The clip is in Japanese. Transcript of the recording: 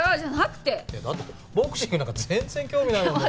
だってボクシングなんか全然興味ないもん僕。